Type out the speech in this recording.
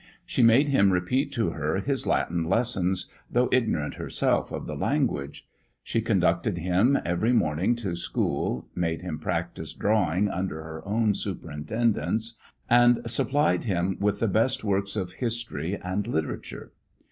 She made him repeat to her his Latin lessons, though ignorant herself of the language; she conducted him every morning to school; made him practise drawing under her own superintendence, and supplied him with the best works on history and literature.